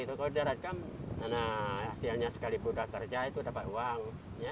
kalau di darat kan hasilnya sekalipun kerja itu dapat uang